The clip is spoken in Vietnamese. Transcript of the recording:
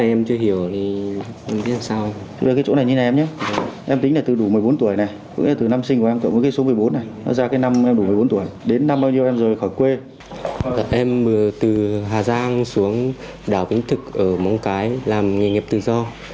em từ hà giang xuống đảo vĩnh thực ở móng cái làm nghề nghiệp tự do